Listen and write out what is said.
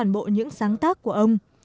bộ những sáng tác của ông